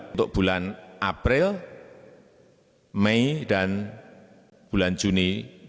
untuk bulan april mei dan bulan juni dua ribu dua puluh